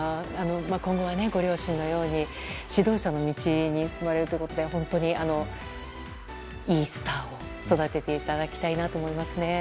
今後は、ご両親のように指導者の道に進まれるということで本当にいいスターを育てていただきたいと思いますね。